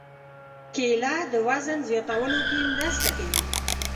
کېله د وزن زیاتولو کې مرسته کوي.